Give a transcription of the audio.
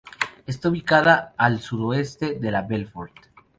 Está ubicada a al suroeste de Belfort.